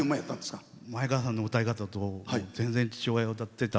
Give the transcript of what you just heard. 前川さんの歌い方と父親が歌ってた